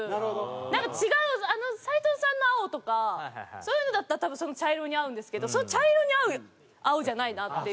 なんか違う斎藤さんの青とかそういうのだったら多分その茶色に合うんですけど茶色に合う青じゃないなっていう。